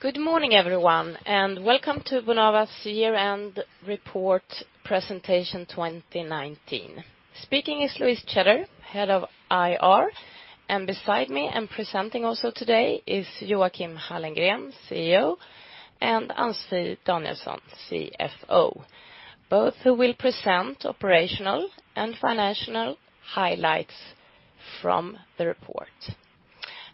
Good morning, everyone, and welcome to Bonava's year-end report presentation 2019. Speaking is Louise Tjeder, Head of IR, and beside me and presenting also today is Joachim Hallengren, CEO, and Ann-Sofi Danielsson, CFO, both who will present operational and financial highlights from the report.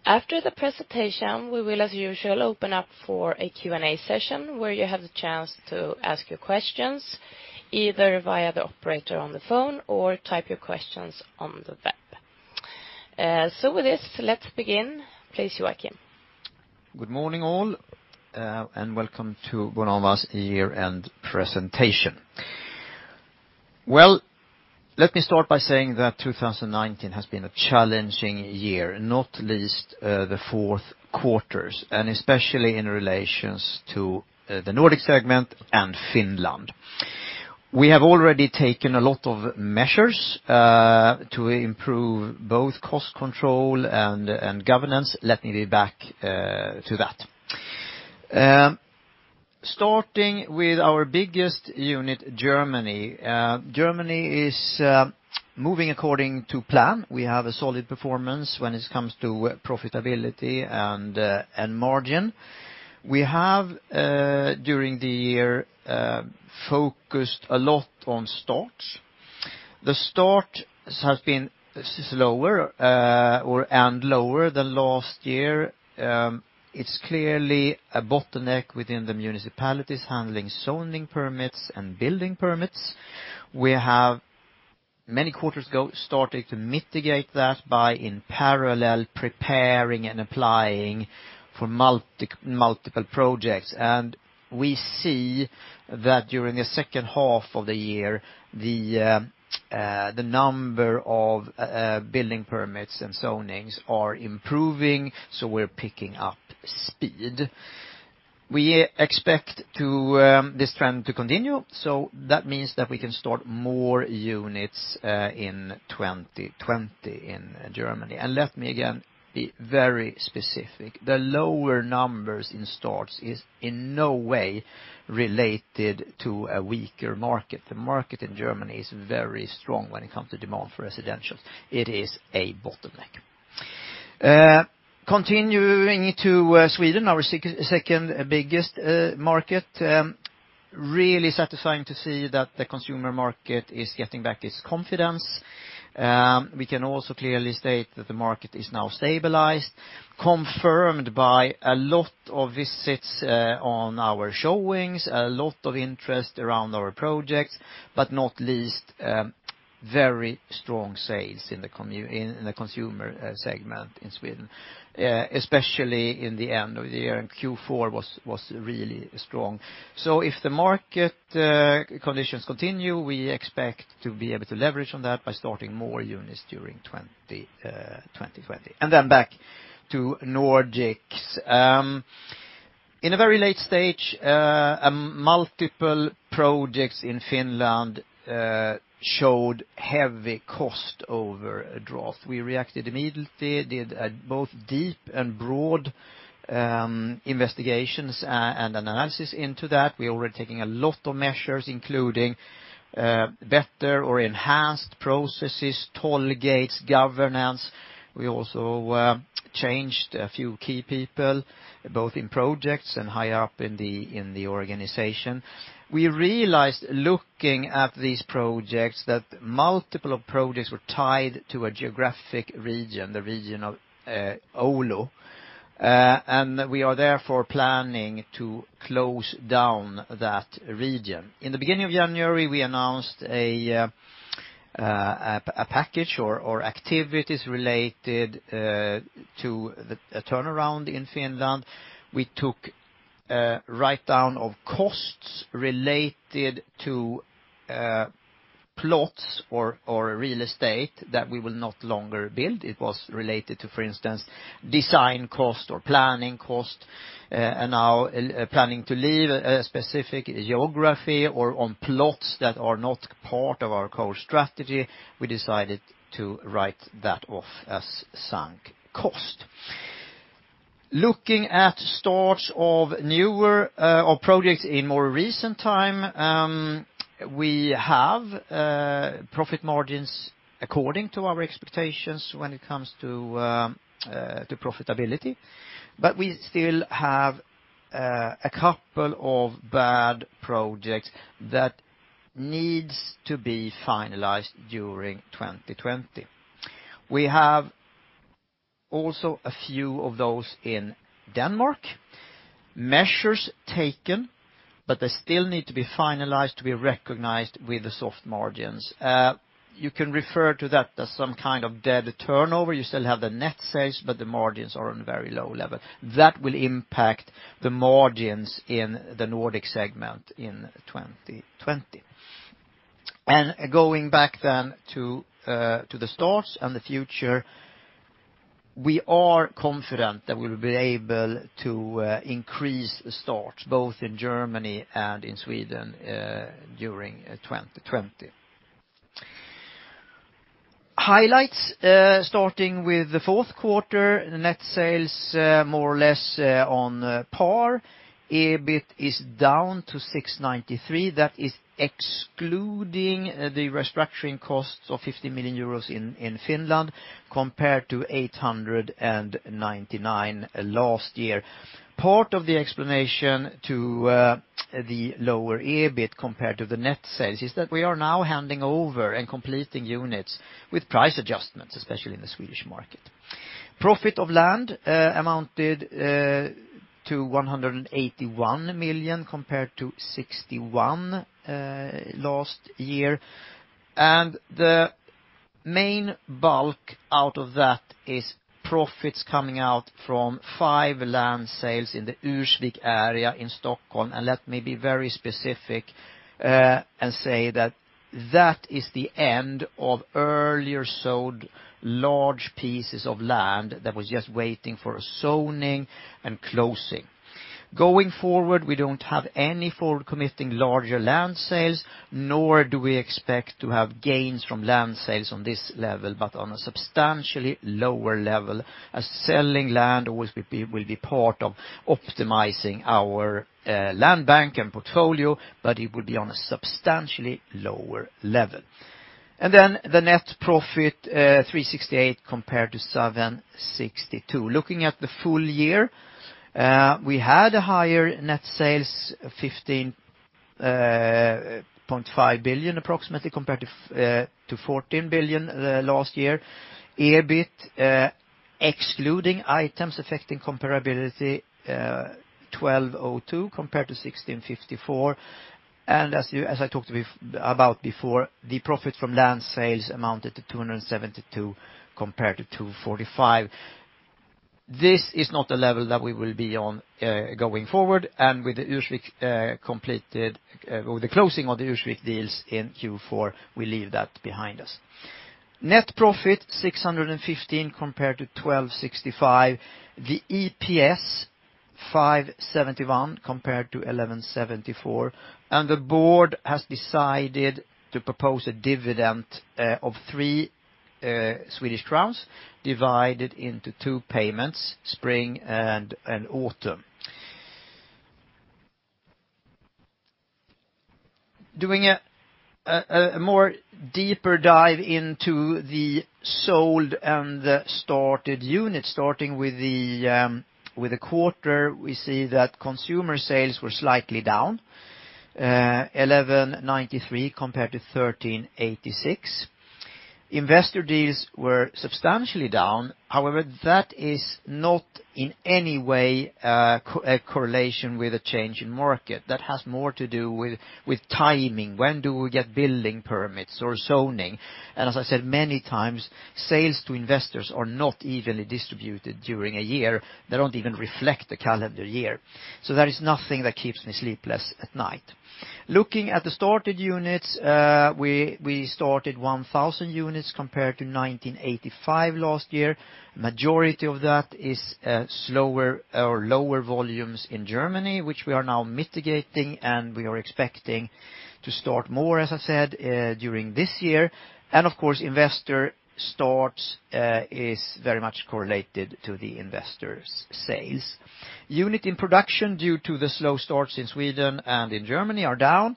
After the presentation, we will, as usual, open up for a Q&A session where you have the chance to ask your questions, either via the operator on the phone or type your questions on the web. With this, let's begin. Please, Joachim. Good morning, all, and welcome to Bonava's year-end presentation. Well, let me start by saying that 2019 has been a challenging year, not least the fourth quarters, especially in relations to the Nordic segment and Finland. We have already taken a lot of measures to improve both cost control and governance. Let me get back to that. Starting with our biggest unit, Germany. Germany is moving according to plan. We have a solid performance when it comes to profitability and margin. We have, during the year, focused a lot on starts. The starts have been slower and lower than last year. It's clearly a bottleneck within the municipalities handling zoning permits and building permits. We have many quarters ago started to mitigate that by, in parallel, preparing and applying for multiple projects. We see that during the second half of the year, the number of building permits and zonings are improving, so we're picking up speed. We expect this trend to continue, that means that we can start more units in 2020 in Germany. Let me again be very specific. The lower numbers in starts is in no way related to a weaker market. The market in Germany is very strong when it comes to demand for residential. It is a bottleneck. Continuing to Sweden, our second-biggest market. Really satisfying to see that the consumer market is getting back its confidence. We can also clearly state that the market is now stabilized, confirmed by a lot of visits on our showings, a lot of interest around our projects, not least, very strong sales in the consumer segment in Sweden, especially in the end of the year, Q4 was really strong. If the market conditions continue, we expect to be able to leverage on that by starting more units during 2020. Back to Nordics. In a very late stage, multiple projects in Finland showed heavy cost overdraw. We reacted immediately, did both deep and broad investigations and analysis into that. We're already taking a lot of measures, including better or enhanced processes, toll gates, governance. We also changed a few key people, both in projects and high up in the organization. We realized looking at these projects that multiple projects were tied to a geographic region, the region of Oulu, we are therefore planning to close down that region. In the beginning of January, we announced a package or activities related to a turnaround in Finland. We took a write-down of costs related to plots or real estate that we will no longer build. It was related to, for instance, design cost or planning cost, now planning to leave a specific geography or on plots that are not part of our core strategy. We decided to write that off as sunk cost. Looking at starts of newer projects in more recent time, we have profit margins according to our expectations when it comes to profitability, but we still have a couple of bad projects that needs to be finalized during 2020. We have also a few of those in Denmark. Measures taken, they still need to be finalized to be recognized with the soft margins. You can refer to that as some kind of dead turnover. You still have the net sales, the margins are on a very low level. That will impact the margins in the Nordic segment in 2020. Going back then to the starts and the future, we are confident that we'll be able to increase the starts both in Germany and in Sweden during 2020. Highlights starting with the fourth quarter. Net sales more or less on par. EBIT is down to 693. That is excluding the restructuring costs of 50 million euros in Finland compared to 899 last year. Part of the explanation to the lower EBIT compared to the net sales is that we are now handing over and completing units with price adjustments, especially in the Swedish market. Profit of land amounted to 181 million compared to 61 last year. The main bulk out of that is profits coming out from five land sales in the Djursholm area in Stockholm. Let me be very specific and say that that is the end of earlier sold large pieces of land that was just waiting for a zoning and closing. Going forward, we don't have any forward committing larger land sales, nor do we expect to have gains from land sales on this level, but on a substantially lower level. Selling land will be part of optimizing our land bank and portfolio, but it will be on a substantially lower level. The net profit 368 compared to 762. Looking at the full year, we had higher net sales, 15.5 billion approximately compared to 14 billion last year. EBIT excluding items affecting comparability, 1,202 compared to 1,654. As I talked about before, the profit from land sales amounted to 272 compared to 245. This is not a level that we will be on going forward. With the closing of the Djursholm deals in Q4, we leave that behind us. Net profit 615 compared to 1,265. The EPS 571 compared to 1,174. The board has decided to propose a dividend of 3 Swedish crowns divided into two payments, spring and autumn. Doing a more deeper dive into the sold and started units. Starting with the quarter, we see that consumer sales were slightly down, 1,193 compared to 1,386. Investor deals were substantially down. That is not in any way a correlation with a change in market. That has more to do with timing. When do we get building permits or zoning? As I said, many times, sales to investors are not evenly distributed during a year. They don't even reflect the calendar year. That is nothing that keeps me sleepless at night. Looking at the started units, we started 1,000 units compared to 1985 last year. Majority of that is slower or lower volumes in Germany, which we are now mitigating, and we are expecting to start more, as I said, during this year. Of course, investor starts is very much correlated to the investors' sales. Unit in production due to the slow starts in Sweden and in Germany are down.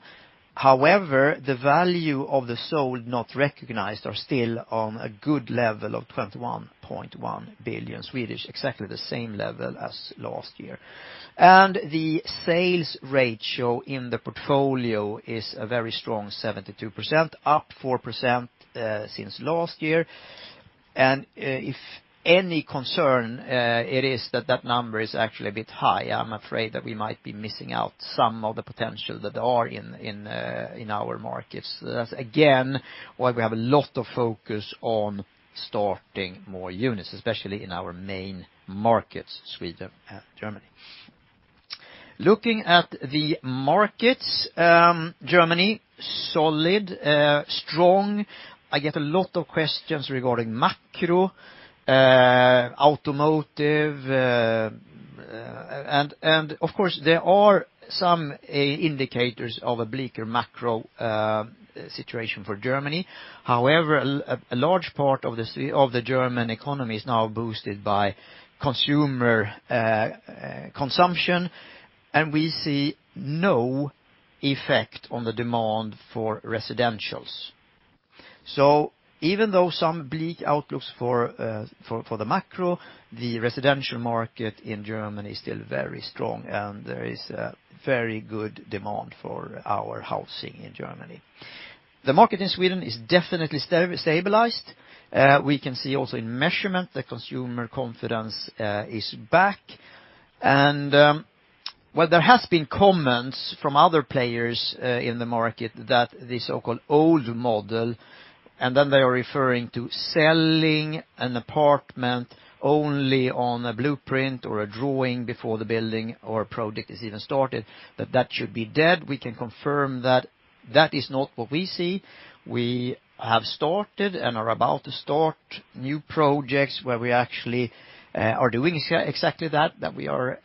The value of the sold not recognized are still on a good level of 21.1 billion, exactly the same level as last year. The sales ratio in the portfolio is a very strong 72%, up 4% since last year. If any concern it is that that number is actually a bit high. I'm afraid that we might be missing out some of the potential that are in our markets. That's again why we have a lot of focus on starting more units, especially in our main markets, Sweden and Germany. Looking at the markets, Germany, solid, strong. I get a lot of questions regarding macro, automotive. Of course, there are some indicators of a bleaker macro situation for Germany. A large part of the German economy is now boosted by consumer consumption, and we see no effect on the demand for residentials. Even though some bleak outlooks for the macro, the residential market in Germany is still very strong, and there is a very good demand for our housing in Germany. The market in Sweden is definitely stabilized. We can see also in measurement that consumer confidence is back. While there has been comments from other players in the market that the so-called old model, and then they are referring to selling an apartment only on a blueprint or a drawing before the building or project is even started, that that should be dead. We can confirm that is not what we see. We have started and are about to start new projects where we actually are doing exactly that we are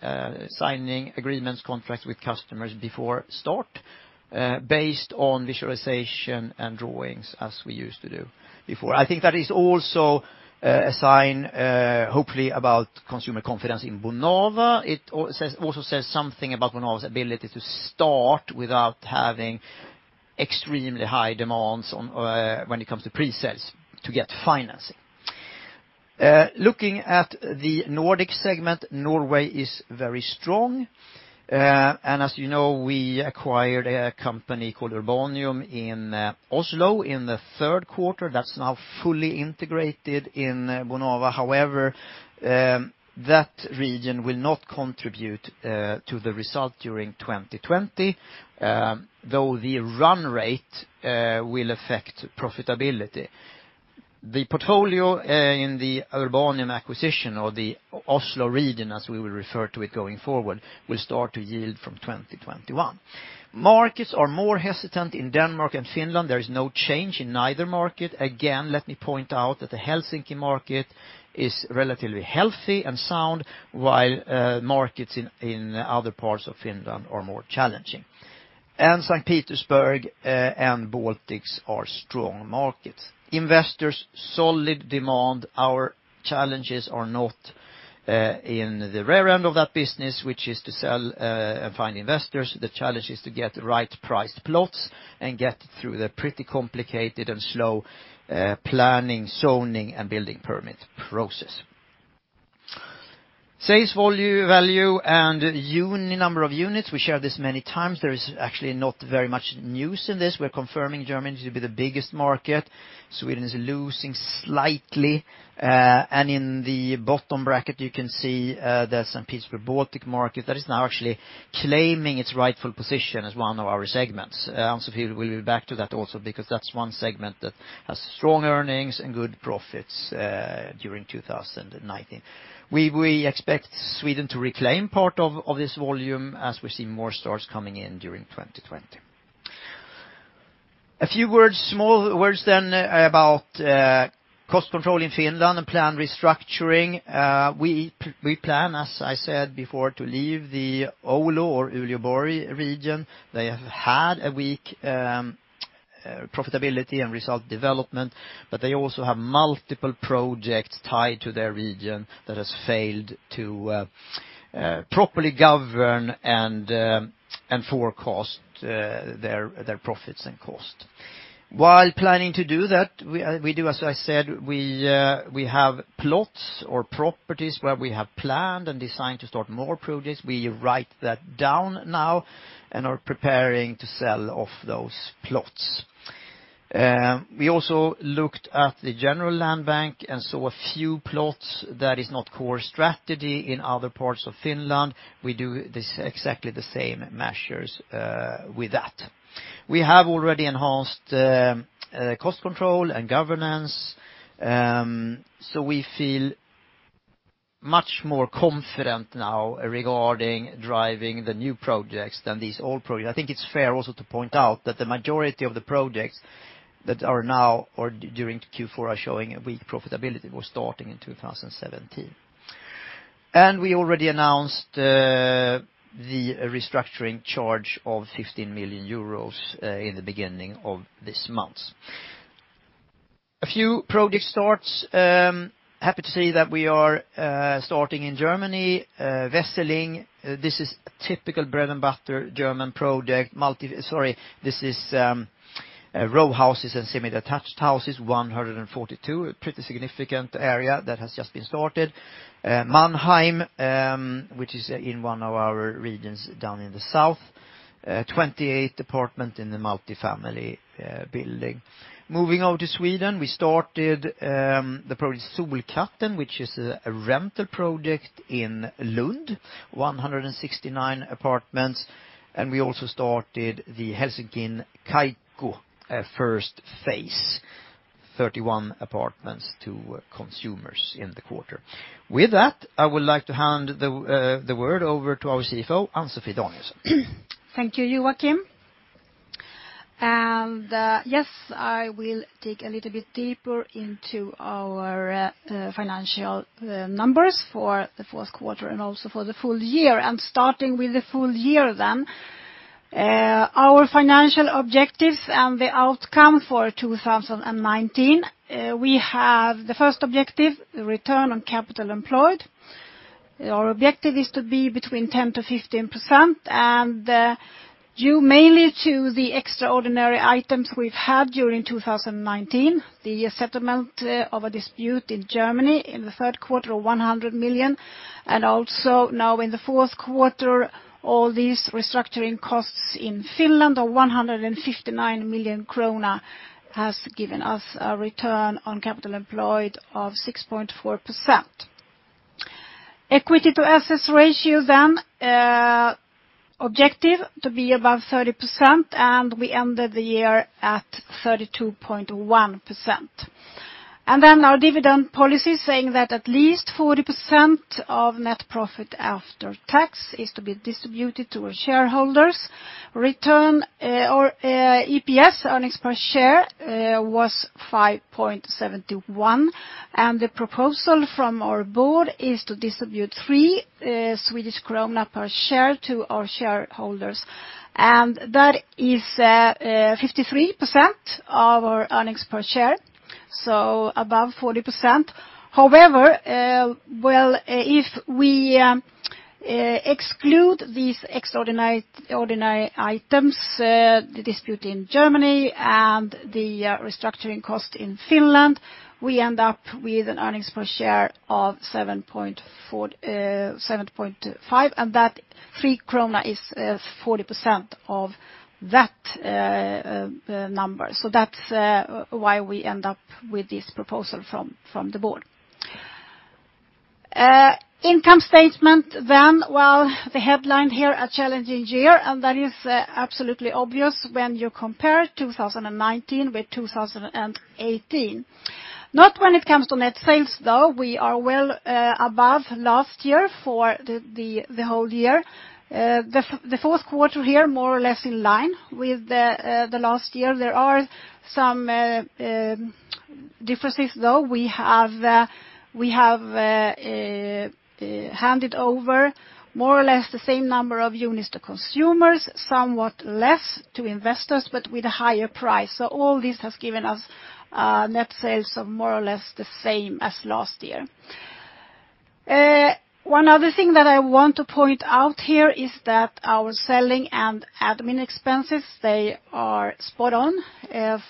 signing agreements, contracts with customers before start based on visualization and drawings as we used to do before. I think that is also a sign, hopefully, about consumer confidence in Bonava. It also says something about Bonava's ability to start without having extremely high demands when it comes to pre-sales to get financing. Looking at the Nordic segment, Norway is very strong. As you know, we acquired a company called Urbanium in Oslo in the third quarter. That's now fully integrated in Bonava. That region will not contribute to the result during 2020, though the run rate will affect profitability. The portfolio in the Urbanium acquisition or the Oslo region, as we will refer to it going forward, will start to yield from 2021. Markets are more hesitant in Denmark and Finland. There is no change in neither market. Let me point out that the Helsinki market is relatively healthy and sound, while markets in other parts of Finland are more challenging. St. Petersburg and Baltics are strong markets. Investors, solid demand. Our challenges are not in the rare end of that business, which is to sell and find investors. The challenge is to get right-priced plots and get through the pretty complicated and slow planning, zoning, and building permit process. Sales value and number of units. We share this many times. There is actually not very much news in this. We are confirming Germany to be the biggest market. Sweden is losing slightly. In the bottom bracket, you can see the St. Petersburg Baltic market that is now actually claiming its rightful position as one of our segments. Ann-Sofi will be back to that also because that is one segment that has strong earnings and good profits during 2019. We expect Sweden to reclaim part of this volume as we see more starts coming in during 2020. A few small words about cost control in Finland and plan restructuring. We plan, as I said before, to leave the Oulu or Uleåborg region. They have had a weak profitability and result development, they also have multiple projects tied to their region that has failed to properly govern and forecast their profits and cost. While planning to do that, as I said, we have plots or properties where we have planned and designed to start more projects. We write that down now and are preparing to sell off those plots. We also looked at the general land bank and saw a few plots that is not core strategy in other parts of Finland. We do exactly the same measures with that. We have already enhanced cost control and governance. We feel much more confident now regarding driving the new projects than these old projects. I think it is fair also to point out that the majority of the projects that are now or during Q4 are showing a weak profitability were starting in 2017. We already announced the restructuring charge of 15 million euros in the beginning of this month. A few project starts. Happy to say that we are starting in Germany. Wesseling, this is a typical bread-and-butter German project. Sorry, this is row houses and semi-detached houses, 142, a pretty significant area that has just been started. Mannheim, which is in one of our regions down in the south, 28 apartments in the multifamily building. Moving out to Sweden, we started the project Solkatten, which is a rental project in Lund, 169 apartments. We also started the Helsinki Kaiku first phase, 31 apartments to consumers in the quarter. With that, I would like to hand the word over to our CFO, Ann-Sofi Danielsson. Thank you, Joachim. Yes, I will dig a little bit deeper into our financial numbers for the fourth quarter and also for the full year. Starting with the full year. Our financial objectives and the outcome for 2019. We have the first objective, return on capital employed. Our objective is to be between 10%-15%, and due mainly to the extraordinary items we've had during 2019, the settlement of a dispute in Germany in the third quarter of 100 million, and also now in the fourth quarter, all these restructuring costs in Finland of 159 million krona has given us a return on capital employed of 6.4%. Equity to assets ratio, objective to be above 30%, and we ended the year at 32.1%. Our dividend policy saying that at least 40% of net profit after tax is to be distributed to our shareholders. EPS, earnings per share, was 5.71, the proposal from our board is to distribute 3 Swedish krona per share to our shareholders. That is 53% of our earnings per share, above 40%. However, if we exclude these extraordinary items, the dispute in Germany and the restructuring cost in Finland, we end up with an earnings per share of 7.5, and that 3 krona is 40% of that number. That's why we end up with this proposal from the board. Income statement, the headline here, a challenging year, that is absolutely obvious when you compare 2019 with 2018. Not when it comes to net sales, though. We are well above last year for the whole year. The fourth quarter here, more or less in line with the last year. There are some differences, though. We have handed over more or less the same number of units to consumers, somewhat less to investors, but with a higher price. All this has given us net sales of more or less the same as last year. One other thing that I want to point out here is that our selling and admin expenses, they are spot on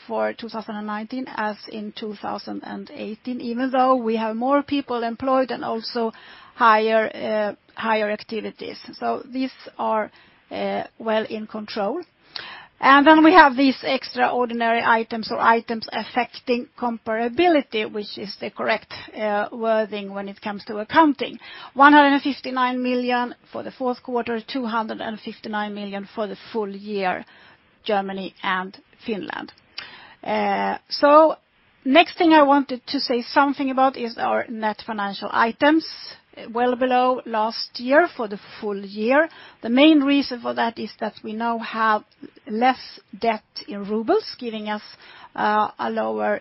for 2019 as in 2018, even though we have more people employed and also higher activities. These are well in control. We have these extraordinary items or items affecting comparability, which is the correct wording when it comes to accounting. 159 million for the fourth quarter, 259 million for the full year, Germany and Finland. Next thing I wanted to say something about is our net financial items, well below last year for the full year. The main reason for that is that we now have less debt in RUB, giving us a lower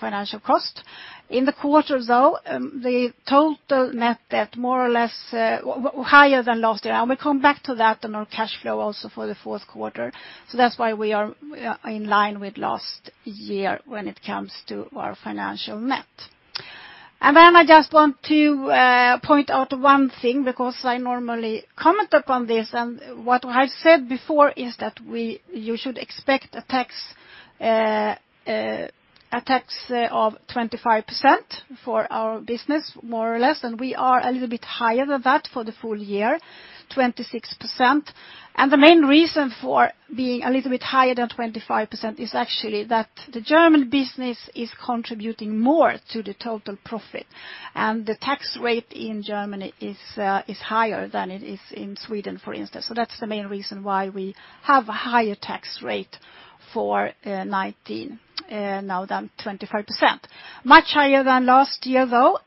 financial cost. In the quarter though, the total net debt more or less higher than last year, we'll come back to that in our cash flow also for the fourth quarter. That's why we are in line with last year when it comes to our financial net. I just want to point out one thing because I normally comment upon this, what I've said before is that you should expect a tax of 25% for our business, more or less, we are a little bit higher than that for the full year, 26%. The main reason for being a little bit higher than 25% is actually that the German business is contributing more to the total profit, and the tax rate in Germany is higher than it is in Sweden, for instance. That's the main reason why we have a higher tax rate for 2019 now than 25%. Much higher than last year, though.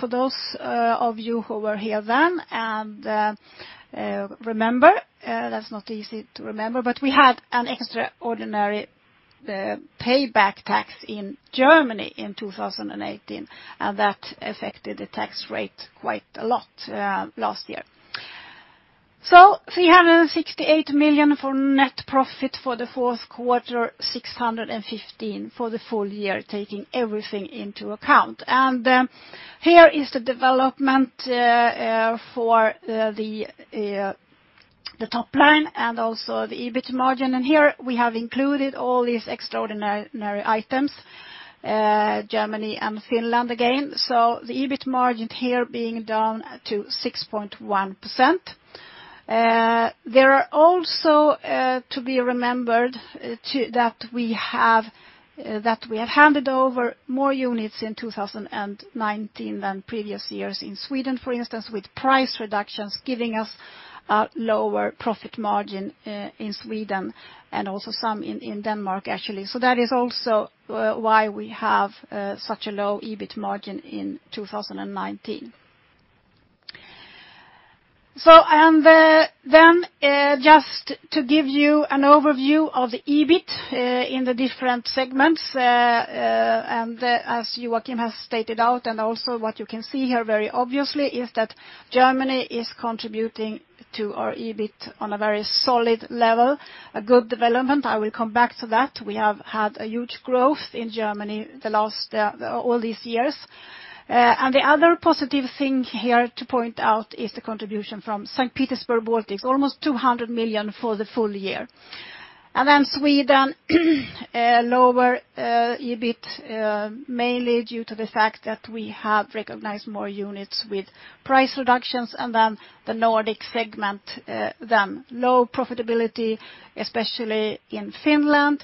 For those of you who were here then and remember, that's not easy to remember, but we had an extraordinary payback tax in Germany in 2018, and that affected the tax rate quite a lot last year. 368 million for net profit for the fourth quarter, 615 million for the full year, taking everything into account. Here is the development for the top line and also the EBIT margin. Here we have included all these extraordinary items, Germany and Finland again. The EBIT margin here being down to 6.1%. There are also to be remembered that we have handed over more units in 2019 than previous years in Sweden, for instance, with price reductions giving us a lower profit margin in Sweden and also some in Denmark, actually. That is also why we have such a low EBIT margin in 2019. Just to give you an overview of the EBIT in the different segments, and as Joachim has stated out, and also what you can see here very obviously is that Germany is contributing to our EBIT on a very solid level, a good development. I will come back to that. We have had a huge growth in Germany all these years. The other positive thing here to point out is the contribution from St. Petersburg Baltics, almost 200 million for the full year. Sweden, lower EBIT, mainly due to the fact that we have recognized more units with price reductions, and the Nordic segment, then low profitability, especially in Finland,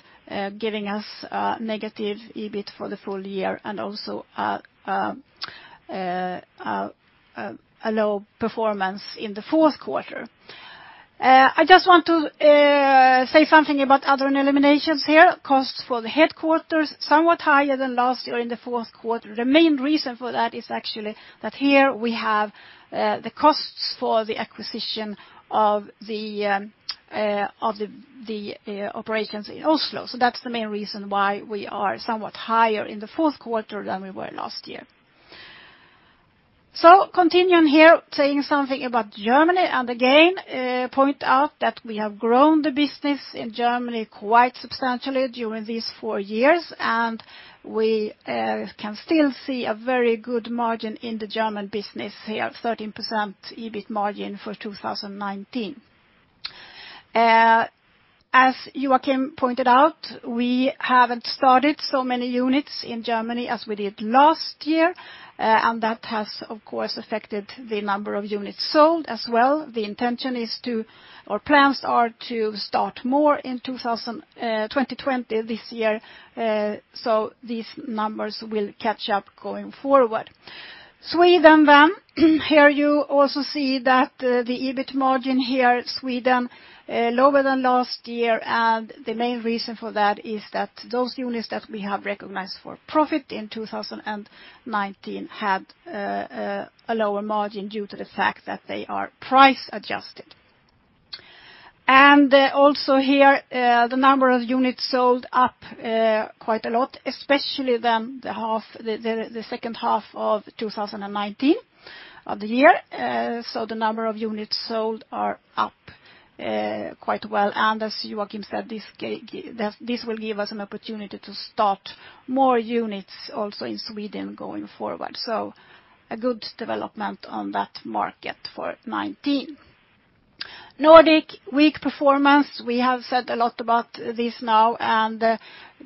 giving us a negative EBIT for the full year and also a low performance in the fourth quarter. I just want to say something about other eliminations here. Costs for the headquarters, somewhat higher than last year in the fourth quarter. The main reason for that is actually that here we have the costs for the acquisition of the operations in Oslo. That's the main reason why we are somewhat higher in the fourth quarter than we were last year. Continuing here, saying something about Germany, and again, point out that we have grown the business in Germany quite substantially during these four years, and we can still see a very good margin in the German business here, 13% EBIT margin for 2019. As Joachim pointed out, we haven't started so many units in Germany as we did last year, and that has, of course, affected the number of units sold as well. Our plans are to start more in 2020, this year, these numbers will catch up going forward. Sweden. Here you also see that the EBIT margin here, Sweden, lower than last year, and the main reason for that is that those units that we have recognized for profit in 2019 had a lower margin due to the fact that they are price adjusted. Here, the number of units sold up quite a lot, especially the second half of 2019 of the year. The number of units sold are up quite well, and as Joachim said, this will give us an opportunity to start more units also in Sweden going forward. A good development on that market for 2019. Nordic, weak performance. We have said a lot about this now, and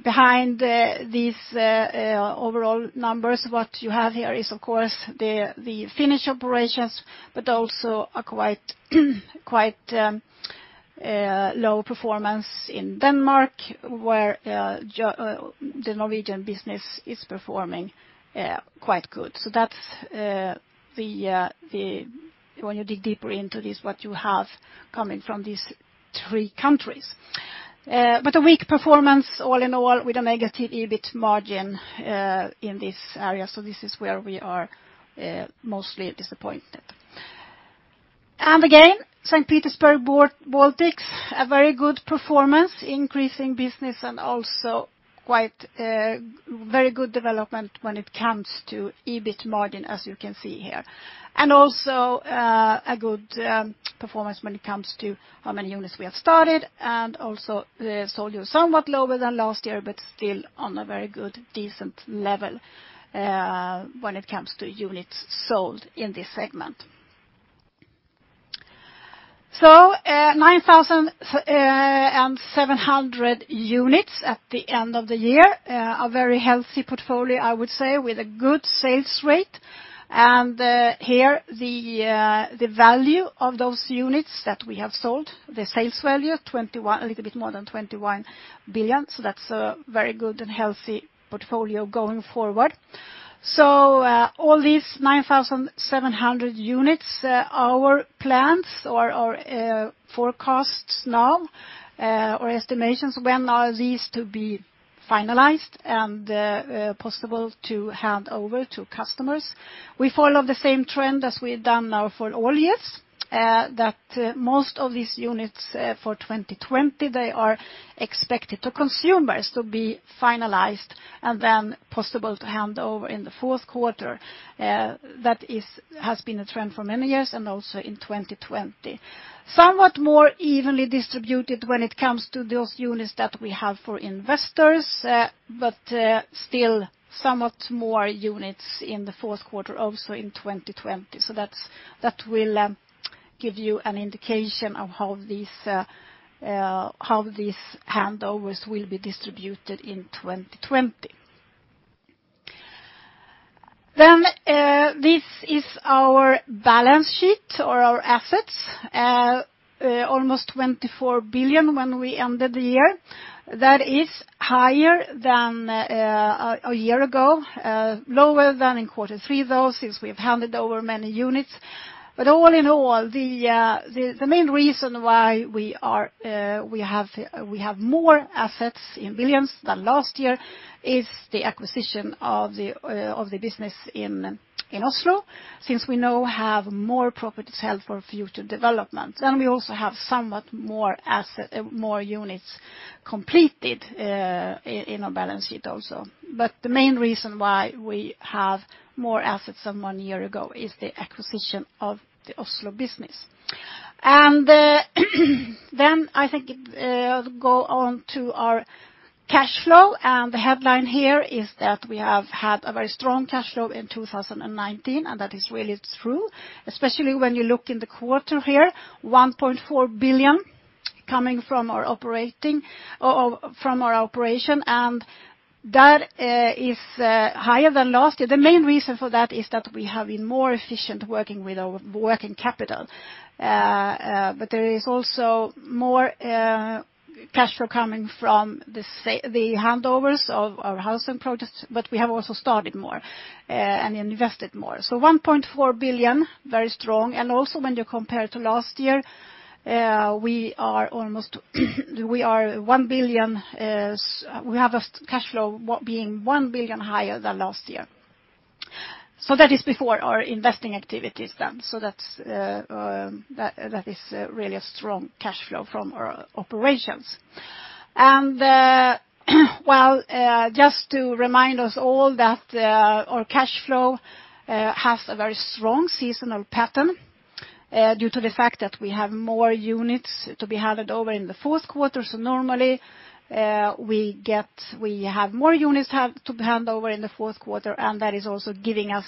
behind these overall numbers, what you have here is, of course, the Finnish operations, but also a quite low performance in Denmark, where the Norwegian business is performing quite good. When you dig deeper into this, what you have coming from these three countries. A weak performance all in all with a negative EBIT margin, in this area. This is where we are mostly disappointed. Again, St. Petersburg, Baltics, a very good performance, increasing business, and also very good development when it comes to EBIT margin, as you can see here. Also, a good performance when it comes to how many units we have started and also the sold units. Somewhat lower than last year, but still on a very good, decent level when it comes to units sold in this segment. 9,700 units at the end of the year. A very healthy portfolio, I would say, with a good sales rate. Here the value of those units that we have sold, the sales value, a little bit more than 21 billion. That's a very good and healthy portfolio going forward. All these 9,700 units, our plans or our forecasts now, our estimations when are these to be finalized and possible to hand over to customers. We follow the same trend as we've done now for all years, that most of these units for 2020, they are expected to consumers to be finalized and then possible to hand over in the fourth quarter. That has been a trend for many years and also in 2020. Somewhat more evenly distributed when it comes to those units that we have for investors. Still somewhat more units in the fourth quarter, also in 2020. That will give you an indication of how these handovers will be distributed in 2020. This is our balance sheet or our assets, almost 24 billion when we ended the year. That is higher than a year ago. Lower than in quarter three, though, since we've handed over many units. All in all, the main reason why we have more assets in billions than last year is the acquisition of the business in Oslo, since we now have more properties held for future developments. We also have somewhat more units completed in our balance sheet also. The main reason why we have more assets than one year ago is the acquisition of the Oslo business. I think go on to our cash flow, and the headline here is that we have had a very strong cash flow in 2019, and that is really true, especially when you look in the quarter here, 1.4 billion coming from our operation and That is higher than last year. The main reason for that is that we have been more efficient working with our working capital. There is also more cash flow coming from the handovers of our housing projects, but we have also started more and invested more. 1.4 billion, very strong. When you compare to last year, we have a cash flow being 1 billion higher than last year. That is before our investing activities then. That is really a strong cash flow from our operations. Well, just to remind us all that our cash flow has a very strong seasonal pattern due to the fact that we have more units to be handed over in the fourth quarter. Normally, we have more units to hand over in the fourth quarter, and that is also giving us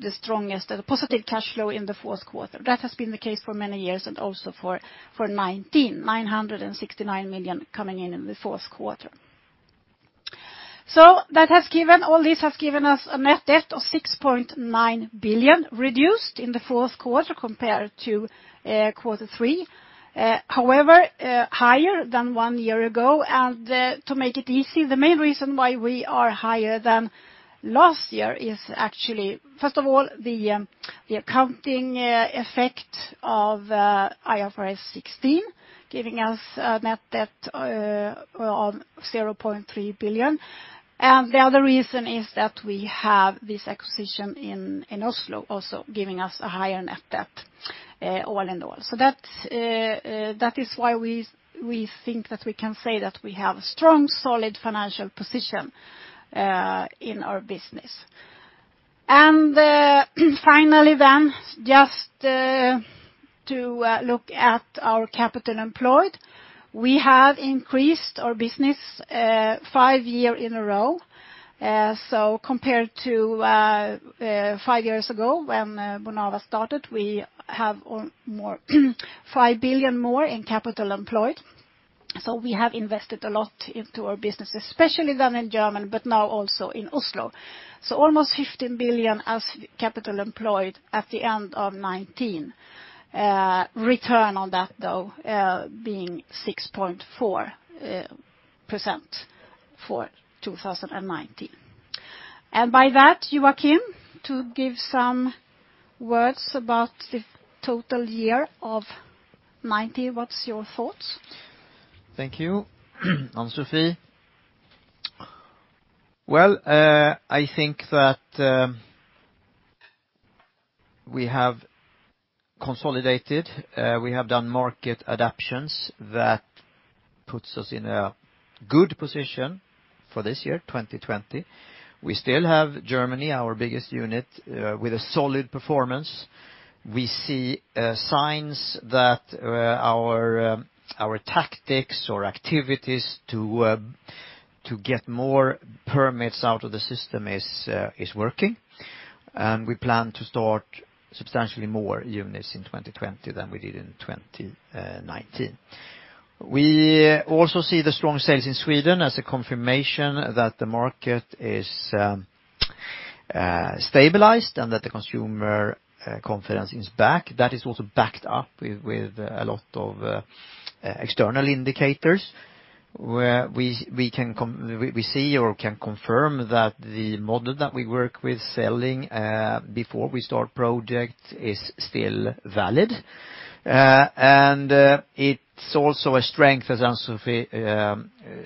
the strongest positive cash flow in the fourth quarter. That has been the case for many years and also for 2019, 969 million coming in in the fourth quarter. All this has given us a net debt of 6.9 billion reduced in the fourth quarter compared to Q3. However, higher than one year ago. To make it easy, the main reason why we are higher than last year is actually, first of all, the accounting effect of IFRS 16 giving us a net debt of 0.3 billion. The other reason is that we have this acquisition in Oslo also giving us a higher net debt all in all. That is why we think that we can say that we have a strong, solid financial position in our business. Finally then, just to look at our capital employed. We have increased our business five year in a row. Compared to five years ago when Bonava started, we have 5 billion more in capital employed. We have invested a lot into our business, especially down in Germany, but now also in Oslo. Almost 15 billion as capital employed at the end of 2019. Return on that, though, being 6.4% for 2019. By that, Joachim, to give some words about the total year of 2019. What's your thoughts? Thank you, Ann-Sofi. I think that we have consolidated. We have done market adaptions that puts us in a good position for this year, 2020. We still have Germany, our biggest unit, with a solid performance. We see signs that our tactics or activities to get more permits out of the system is working. We plan to start substantially more units in 2020 than we did in 2019. We also see the strong sales in Sweden as a confirmation that the market is stabilized and that the consumer confidence is back. That is also backed up with a lot of external indicators where we see or can confirm that the model that we work with selling before we start projects is still valid. It's also a strength, as Ann-Sofi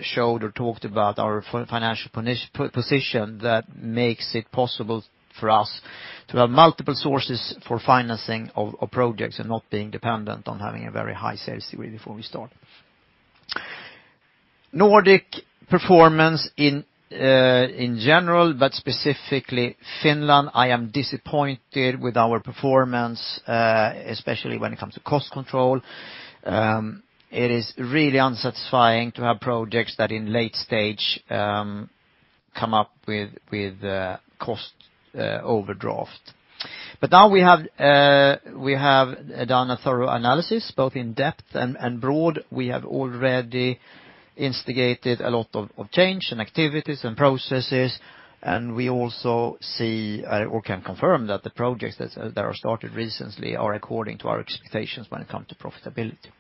showed or talked about, our financial position that makes it possible for us to have multiple sources for financing of our projects and not being dependent on having a very high sales degree before we start. Nordic performance in general, but specifically Finland, I am disappointed with our performance, especially when it comes to cost control. It is really unsatisfying to have projects that in late stage come up with cost overdraft. Now we have done a thorough analysis, both in depth and broad. We have already instigated a lot of change and activities and processes, and we also see, or can confirm that the projects that are started recently are according to our expectations when it comes to profitability.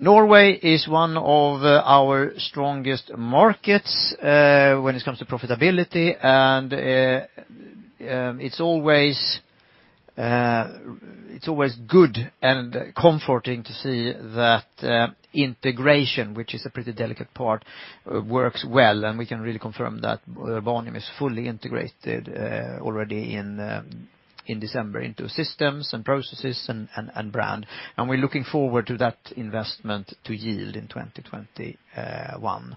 Norway is one of our strongest markets, when it comes to profitability, and it's always good and comforting to see that integration, which is a pretty delicate part, works well, and we can really confirm that Bonum is fully integrated already in December into systems and processes and brand. We're looking forward to that investment to yield in 2021.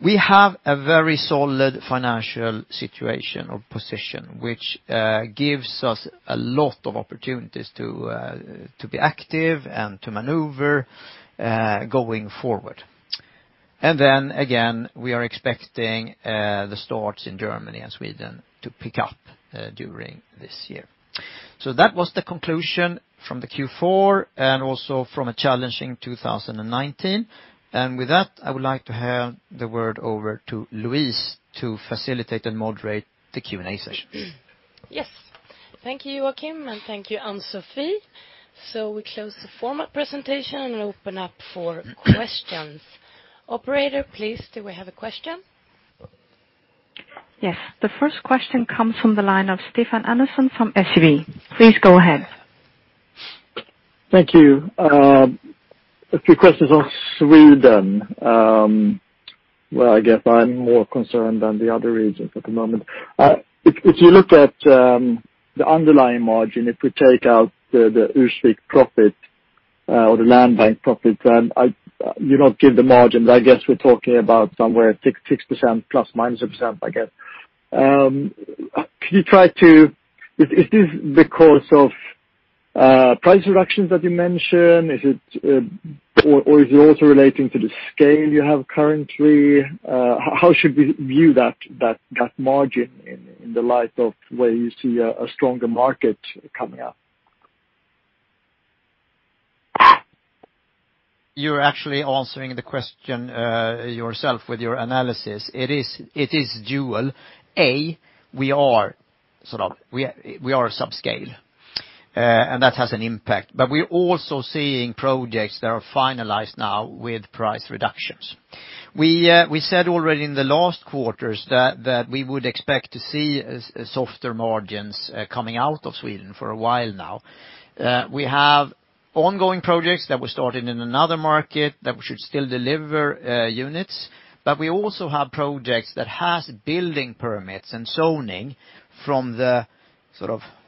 We have a very solid financial situation or position, which gives us a lot of opportunities to be active and to maneuver going forward. Again, we are expecting the starts in Germany and Sweden to pick up during this year. So that was the conclusion from the Q4, and also from a challenging 2019. With that, I would like to hand the word over to Louise to facilitate and moderate the Q&A session. Yes. Thank you, Joachim, and thank you, Ann-Sofi. We close the formal presentation and open up for questions. Operator, please, do we have a question? Yes. The first question comes from the line of Stefan Andersson from SEB. Please go ahead. Thank you. A few questions on Sweden. Where I guess I'm more concerned than the other regions at the moment. If you look at the underlying margin, if we take out the Ursvik profit or the land bank profit, you don't give the margin. I guess we're talking about somewhere 6% plus/minus 1%, I guess. Is this because of price reductions that you mention? Or is it also relating to the scale you have currently? How should we view that margin in the light of where you see a stronger market coming up? You're actually answering the question yourself with your analysis. It is dual. A, we are subscale, and that has an impact. We're also seeing projects that are finalized now with price reductions. We said already in the last quarters that we would expect to see softer margins coming out of Sweden for a while now. We have ongoing projects that were started in another market that we should still deliver units, but we also have projects that have building permits and zoning from the,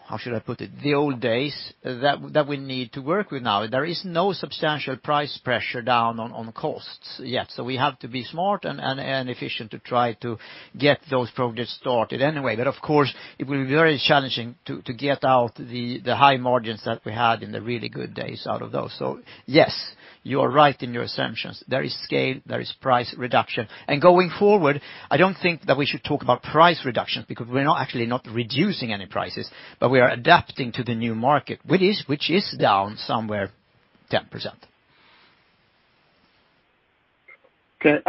how should I put it? The old days that we need to work with now. There is no substantial price pressure down on costs yet. We have to be smart and efficient to try to get those projects started anyway. Of course, it will be very challenging to get out the high margins that we had in the really good days out of those. Yes, you are right in your assumptions. There is scale, there is price reduction. Going forward, I don't think that we should talk about price reductions, because we're not actually not reducing any prices, but we are adapting to the new market, which is down somewhere 10%. Okay.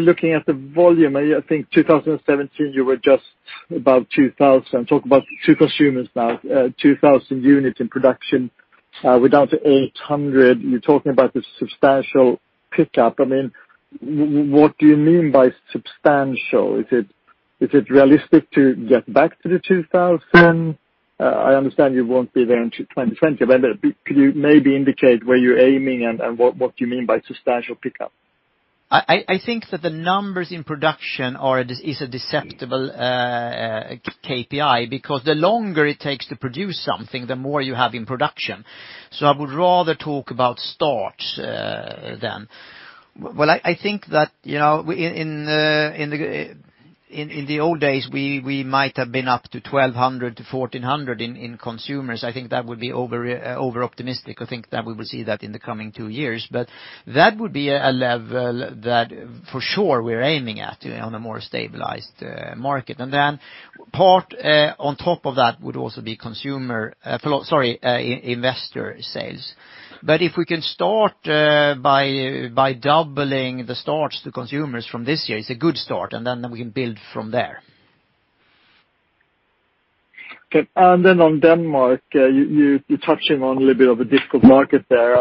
Looking at the volume, I think 2017, you were just about 2,000. Talk about to consumers now, 2,000 units in production. We're down to 800. You're talking about this substantial pickup. What do you mean by substantial? Is it realistic to get back to the 2,000? I understand you won't be there until 2020. Could you maybe indicate where you're aiming and what you mean by substantial pickup? I think that the numbers in production is a deceptive KPI because the longer it takes to produce something, the more you have in production. I would rather talk about starts than, well, I think that in the old days, we might have been up to 1,200 to 1,400 in consumers. I think that would be overoptimistic. I think that we will see that in the coming two years. That would be a level that for sure we are aiming at on a more stabilized market. Then part on top of that would also be investor sales. If we can start by doubling the starts to consumers from this year, it's a good start, and then we can build from there. Okay. Then on Denmark, you're touching on a little bit of a difficult market there.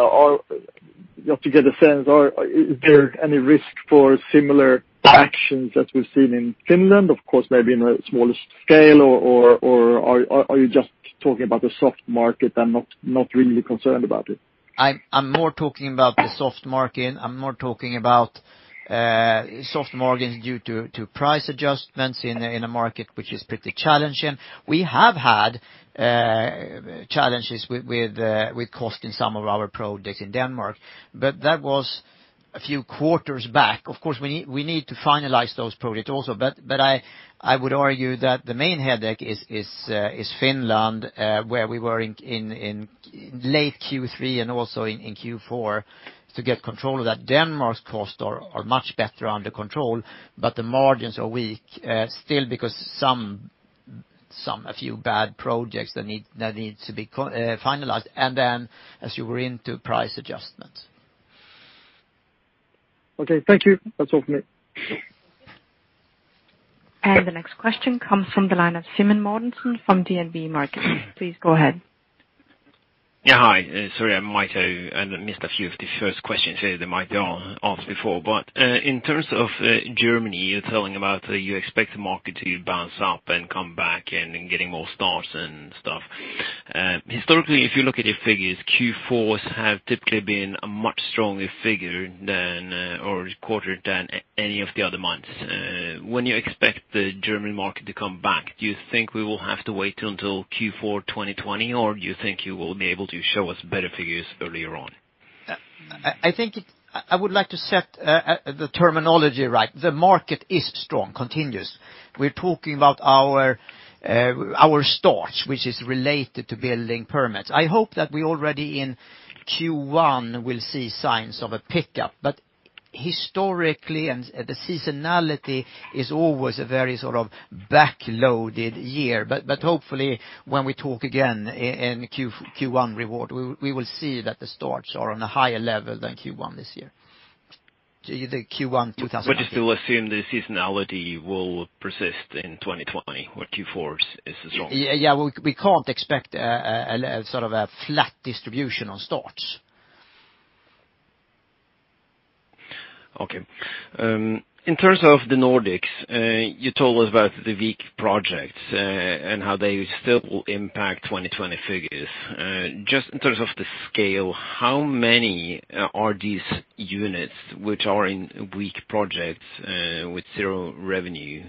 Just to get a sense, is there any risk for similar actions that we've seen in Finland, of course, maybe in a smaller scale? Are you just talking about the soft market and not really concerned about it? I'm more talking about the soft market. I'm more talking about soft margins due to price adjustments in a market which is pretty challenging. We have had challenges with cost in some of our projects in Denmark, but that was a few quarters back. Of course, we need to finalize those projects also. I would argue that the main headache is Finland, where we were in late Q3 and also in Q4 to get control of that. Denmark's costs are much better under control, but the margins are weak still because a few bad projects that need to be finalized, then as you were into price adjustments. Okay, thank you. That's all from me. The next question comes from the line of Simen Mortensen from DNB Markets. Please go ahead. Yeah. Hi. Sorry, I might have missed a few of the first questions here that might be asked before. In terms of Germany, you are telling about you expect the market to bounce up and come back and getting more starts and stuff. Historically, if you look at your figures, Q4s have typically been a much stronger figure or quarter than any of the other months. When do you expect the German market to come back? Do you think we will have to wait until Q4 2020, or do you think you will be able to show us better figures earlier on? I would like to set the terminology right. The market is strong, continues. We are talking about our starts, which is related to building permits. I hope that we already in Q1 will see signs of a pickup. Historically, the seasonality is always a very back-loaded year. Hopefully when we talk again in Q1 reward, we will see that the starts are on a higher level than Q1 this year, the Q1 2000- You still assume the seasonality will persist in 2020, where Q4 is strong. Yeah. We can't expect a flat distribution on starts. Okay. In terms of the Nordics, you told us about the weak projects, and how they still will impact 2020 figures. Just in terms of the scale, how many are these units which are in weak projects with zero revenue,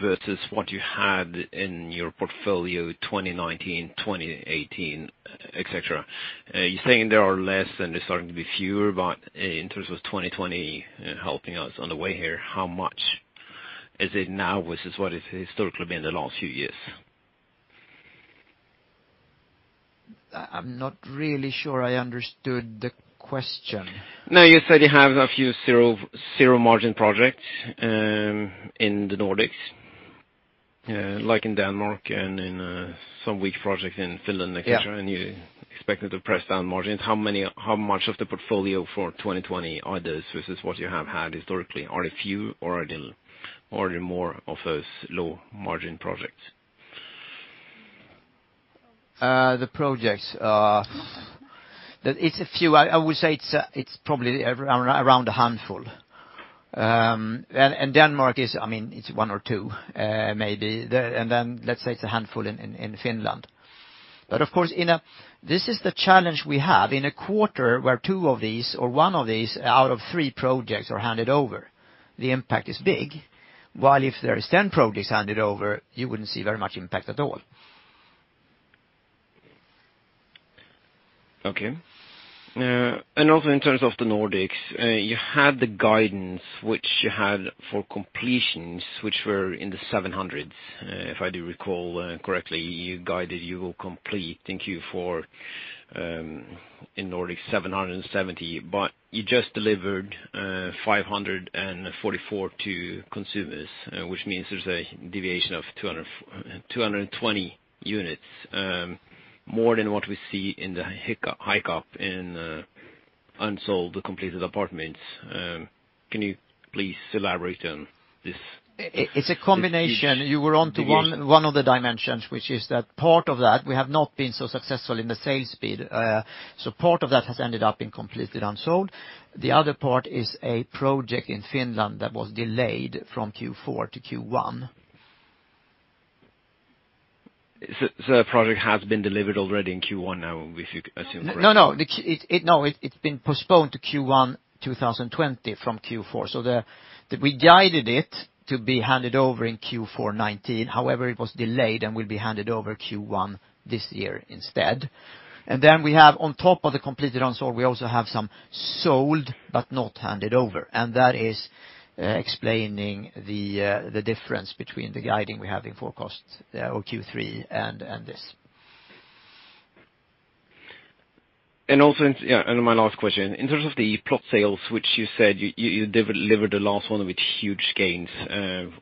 versus what you had in your portfolio 2019, 2018, et cetera? You're saying there are less, and they're starting to be fewer. In terms of 2020 helping us on the way here, how much is it now versus what it's historically been the last few years? I'm not really sure I understood the question. No, you said you have a few zero margin projects in the Nordics, like in Denmark and some weak projects in Finland. Yeah et cetera, you're expecting to press down margins. How much of the portfolio for 2020 are those versus what you have had historically? Are it few or are there more of those low margin projects? It's a few. I would say it's probably around a handful. Denmark is, it's one or two, maybe. Let's say it's a handful in Finland. Of course, this is the challenge we have. In a quarter where two of these or one of these out of three projects are handed over, the impact is big. While if there is 10 projects handed over, you wouldn't see very much impact at all. Okay. Also in terms of the Nordics, you had the guidance which you had for completions, which were in the 700, if I do recall correctly. You guided you will complete in Q4 in Nordic 770, you just delivered 544 to consumers, which means there's a deviation of 220 units, more than what we see in the hiccup in unsold completed apartments. Can you please elaborate on this? It's a combination. You were onto one of the dimensions, which is that part of that, we have not been so successful in the sales speed. Part of that has ended up being completely unsold. The other part is a project in Finland that was delayed from Q4 to Q1. That project has been delivered already in Q1 now, if I assume correctly. No. It's been postponed to Q1 2020 from Q4. We guided it to be handed over in Q4 2019. However, it was delayed and will be handed over Q1 this year instead. Then we have on top of the completed unsold, we also have some sold but not handed over. That is explaining the difference between the guiding we have in forecasts or Q3 and this. My last question, in terms of the plot sales, which you said you delivered the last one with huge gains.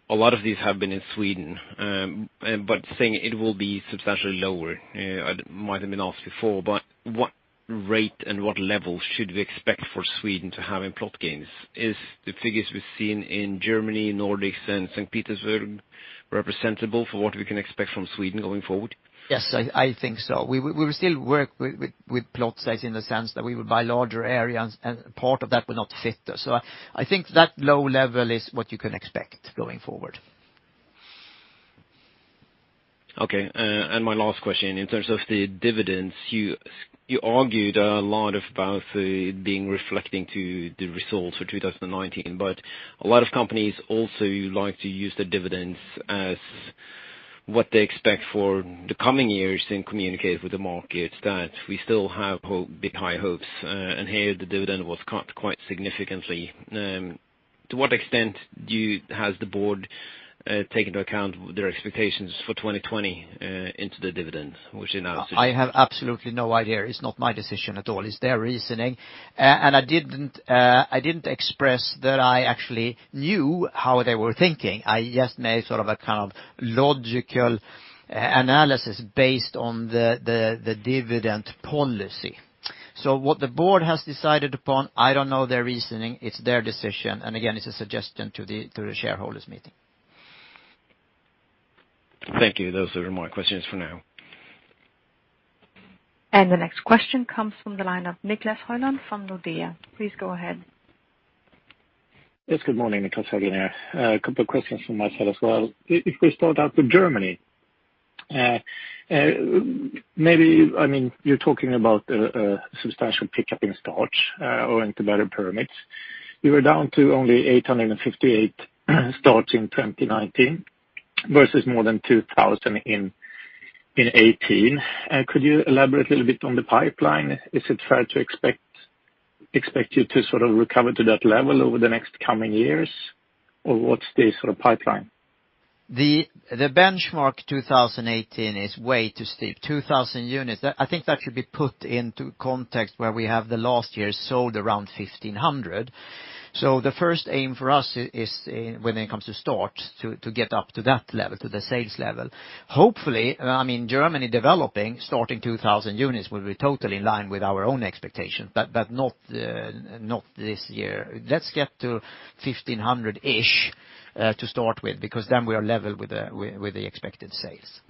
A lot of these have been in Sweden, but saying it will be substantially lower. I might have been asked before, but what rate and what level should we expect for Sweden to have in plot gains? Are the figures we've seen in Germany, Nordics, and St. Petersburg representable for what we can expect from Sweden going forward? Yes, I think so. We will still work with plot sites in the sense that we will buy larger areas, and part of that will not fit. I think that low level is what you can expect going forward. Okay. My last question, in terms of the dividends, you argued a lot about it being reflecting to the results for 2019. A lot of companies also like to use the dividends as what they expect for the coming years and communicate with the market that we still have big, high hopes. Here, the dividend was cut quite significantly. To what extent has the board taken into account their expectations for 2020 into the dividend, which you now suggested? I have absolutely no idea. It's not my decision at all. It's their reasoning. I didn't express that I actually knew how they were thinking. I just made a kind of logical analysis based on the dividend policy. What the board has decided upon, I don't know their reasoning. It's their decision. Again, it's a suggestion to the shareholders meeting. Thank you. Those are my questions for now. The next question comes from the line of Niclas Höglund from Nordea. Please go ahead. Yes, good morning. Niclas Höglund here. A couple of questions from my side as well. We start out with Germany. You're talking about a substantial pickup in starts owing to better permits. You were down to only 858 starts in 2019 versus more than 2,000 in 2018. Could you elaborate a little bit on the pipeline? Is it fair to expect you to recover to that level over the next coming years? What's the pipeline? The benchmark 2018 is way too steep. 2,000 units, I think that should be put into context where we have the last year sold around 1,500. The first aim for us is when it comes to start to get up to that level, to the sales level. Hopefully, Germany developing, starting 2,000 units will be totally in line with our own expectations, but not this year. Let's get to 1,500-ish to start with, because then we are level with the expected sales.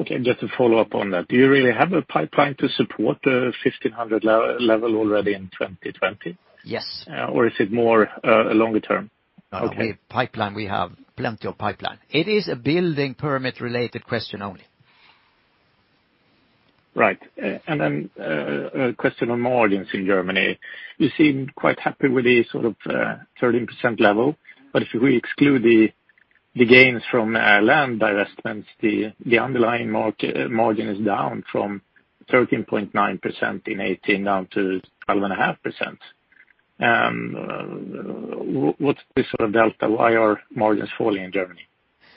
Okay. Just to follow up on that. Do you really have a pipeline to support the 1,500 level already in 2020? Yes. Is it more longer term? Okay. We have plenty of pipeline. It is a building permit related question only. Right. Then a question on margins in Germany. You seem quite happy with the 13% level, but if we exclude the gains from land divestments, the underlying margin is down from 13.9% in 2018 down to 12.5%. What's this delta? Why are margins falling in Germany?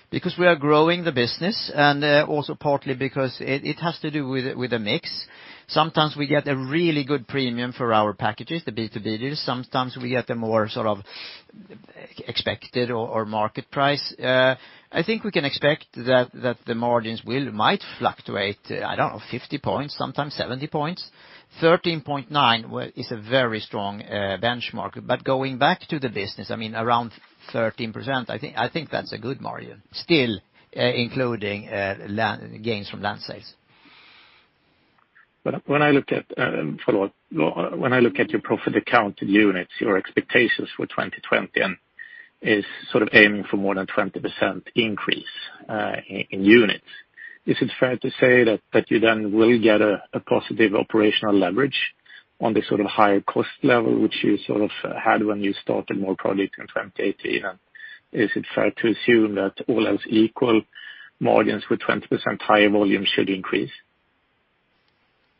Because we are growing the business, and also partly because it has to do with the mix. Sometimes we get a really good premium for our packages, the B2B, sometimes we get a more expected or market price. I think we can expect that the margins might fluctuate, I don't know, 50 points, sometimes 70 points. 13.9% is a very strong benchmark. Going back to the business, around 13%, I think that's a good margin, still including gains from land sales. When I look at your profit accounted units, your expectations for 2020 and is aiming for more than 20% increase in units. Is it fair to say that you then will get a positive operational leverage on the higher cost level, which you had when you started more project in 2018? Is it fair to assume that all else equal, margins with 20% higher volume should increase?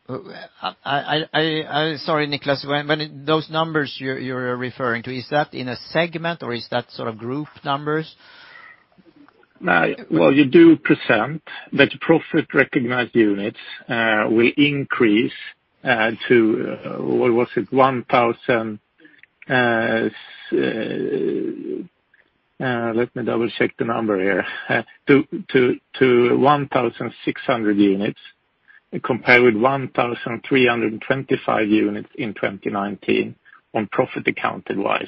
Sorry, Niclas. Those numbers you're referring to, is that in a segment or is that group numbers? Well, you do present that profit recognized units will increase to, what was it? Let me double check the number here. To 1,600 units compared with 1,325 units in 2019 on profit accounted wise.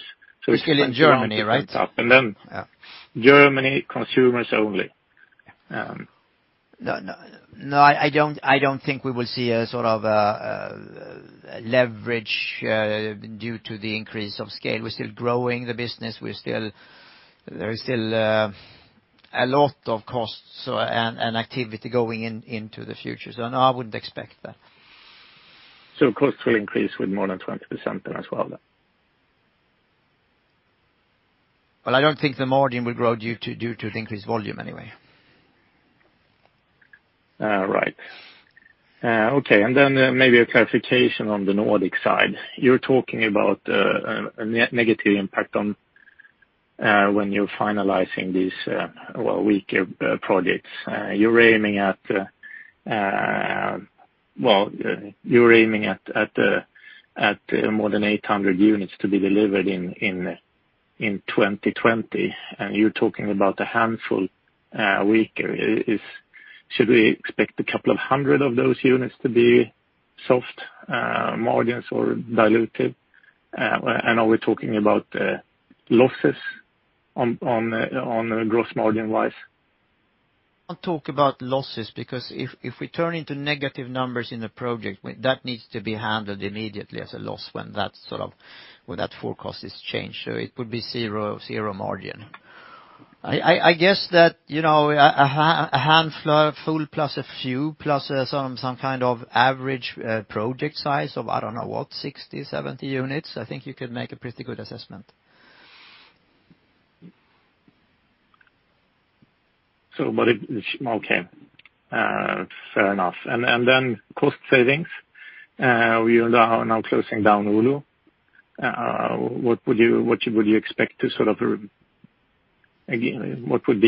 We're still in Germany, right? Germany consumers only. No, I don't think we will see a leverage due to the increase of scale. We're still growing the business. There is still a lot of costs and activity going into the future. No, I wouldn't expect that. Costs will increase with more than 20% then as well. Well, I don't think the margin will grow due to the increased volume anyway. Right. Okay, maybe a clarification on the Nordic side. You're talking about a negative impact on when you're finalizing these weaker projects. You're aiming at more than 800 units to be delivered in 2020, and you're talking about a handful weaker. Should we expect a couple of hundred of those units to be soft margins or diluted? Are we talking about losses on gross margin wise? I'll talk about losses, because if we turn into negative numbers in a project, that needs to be handled immediately as a loss when that forecast is changed. It would be 0 margin. I guess that a handful plus a few, plus some kind of average project size of, I don't know what, 60-70 units, I think you could make a pretty good assessment. Okay. Fair enough. Then cost savings. You are now closing down Oulu. What would be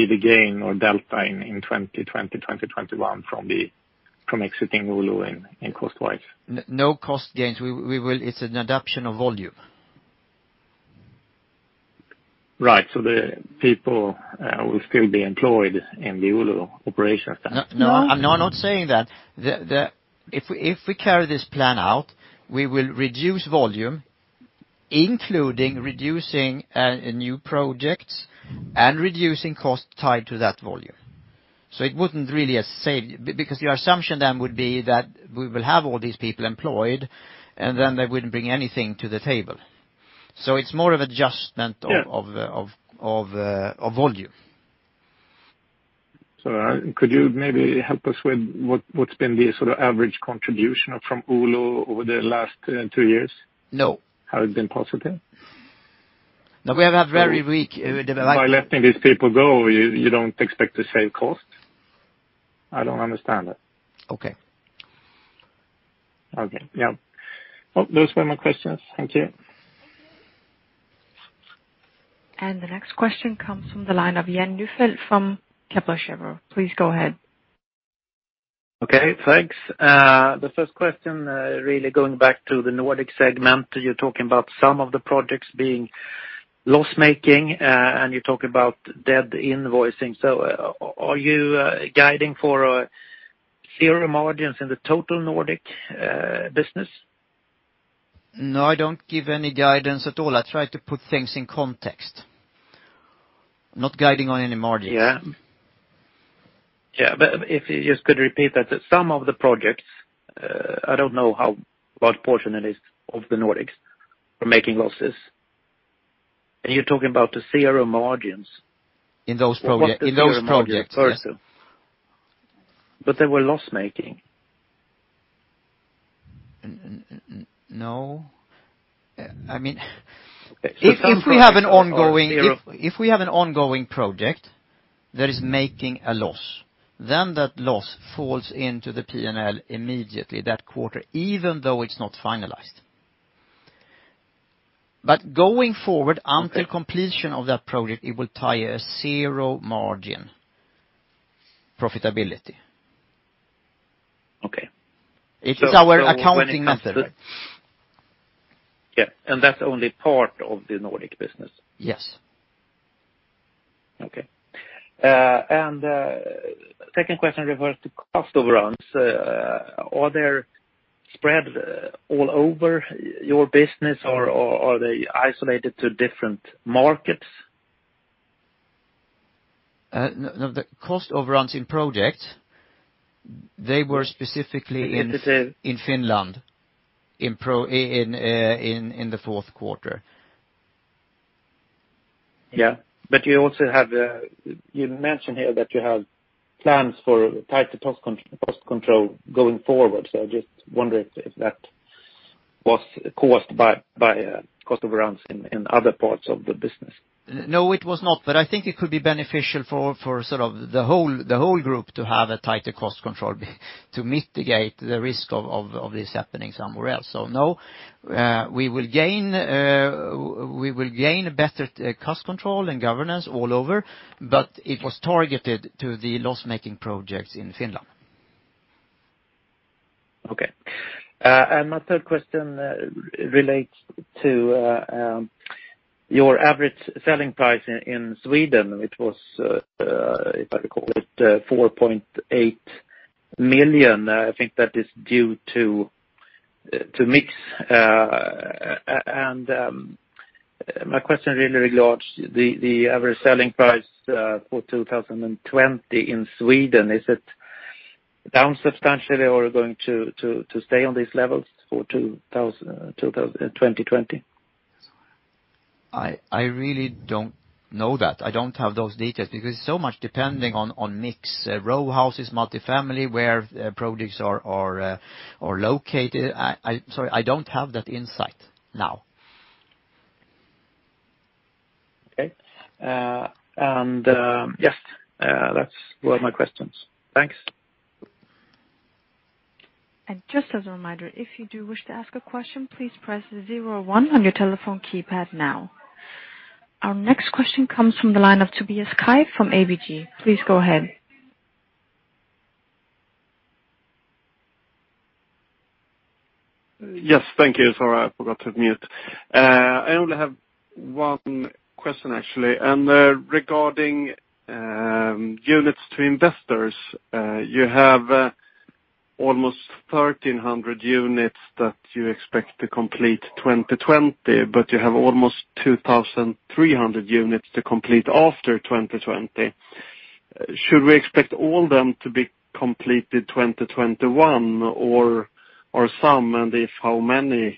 the gain or delta in 2020-2021 from exiting Oulu and cost-wise? No cost gains. It's an adaption of volume. Right. The people will still be employed in the Oulu operations then? No, I'm not saying that. If we carry this plan out, we will reduce volume, including reducing new projects and reducing cost tied to that volume. It wouldn't really a save, because your assumption then would be that we will have all these people employed, and then they wouldn't bring anything to the table. It's more of adjustment of volume. Could you maybe help us with what's been the average contribution from Oulu over the last two years? No. Has it been positive? No, we have had very weak development. By letting these people go, you don't expect to save cost? I don't understand that. Okay. Those were my questions. Thank you. The next question comes from the line of Jan Ihrfelt from Kepler Cheuvreux. Please go ahead. Thanks. The first question, really going back to the Nordic segment. You're talking about some of the projects being loss-making, and you're talking about debt invoicing. Are you guiding for zero margins in the total Nordic business? No, I don't give any guidance at all. I try to put things in context. I'm not guiding on any margin. Yeah. If you just could repeat that, some of the projects, I don't know how large portion it is of the Nordics, are making losses. You're talking about the zero margins. In those projects, yes. They were loss-making. No. If we have an ongoing project that is making a loss, then that loss falls into the P&L immediately that quarter, even though it is not finalized. Going forward, until completion of that project, it will tie a zero margin profitability. Okay. It is our accounting method. Yeah. That is only part of the Nordic business? Yes. Okay. Second question refers to cost overruns. Are they spread all over your business or are they isolated to different markets? No. The cost overruns in projects, they were specifically in Finland in the fourth quarter. Yeah. You mentioned here that you have plans for tighter cost control going forward. I'm just wondering if that was caused by cost overruns in other parts of the business. No, it was not. I think it could be beneficial for the whole group to have a tighter cost control to mitigate the risk of this happening somewhere else. No, we will gain better cost control and governance all over, but it was targeted to the loss-making projects in Finland. Okay. My third question relates to your average selling price in Sweden. It was, if I recall it, 4.8 million. I think that is due to mix. My question really regards the average selling price for 2020 in Sweden. Is it down substantially or going to stay on these levels for 2020? I really don't know that. I don't have those details because so much depending on mix, row houses, multi-family, where projects are located. Sorry, I don't have that insight now. Okay. Yes, those were my questions. Thanks. Just as a reminder, if you do wish to ask a question, please press 01 on your telephone keypad now. Our next question comes from the line of Tobias Kaj from ABG. Please go ahead. Yes. Thank you. Sorry, I forgot to unmute. I only have one question, actually. Regarding units to investors, you have almost 1,300 units that you expect to complete 2020, but you have almost 2,300 units to complete after 2020. Should we expect all them to be completed 2021 or some, and if, how many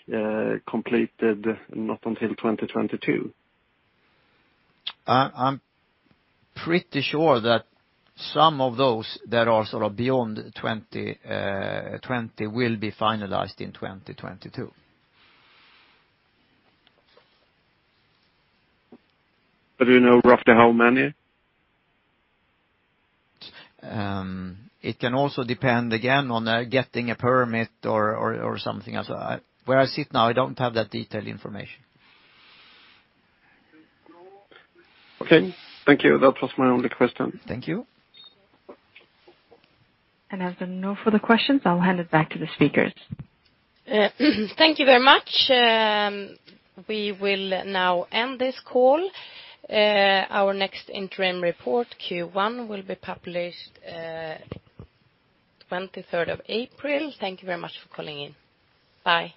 completed not until 2022? I'm pretty sure that some of those that are beyond 2020 will be finalized in 2022. Do you know roughly how many? It can also depend, again, on getting a permit or something else. Where I sit now, I don't have that detailed information. Okay. Thank you. That was my only question. Thank you. As there are no further questions, I'll hand it back to the speakers. Thank you very much. We will now end this call. Our next interim report, Q1, will be published 23rd of April. Thank you very much for calling in. Bye.